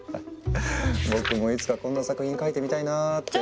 僕もいつかこんな作品描いてみたいなって。